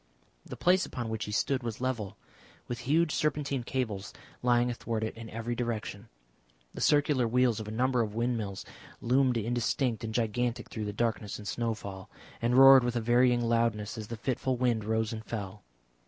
The place upon which he stood was level, with huge serpentine cables lying athwart it in every direction. The circular wheels of a number of windmills loomed indistinct and gigantic through the darkness and snowfall, and roared with a varying loudness as the fitful wind rose and fell.